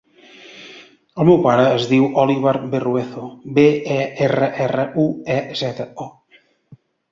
El meu pare es diu Oliver Berruezo: be, e, erra, erra, u, e, zeta, o.